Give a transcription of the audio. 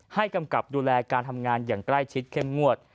กำกับดูแลการทำงานอย่างใกล้ชิดเข้มงวด